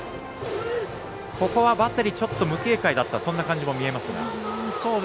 ここはバッテリー、無警戒だったそんな感じも見えますが。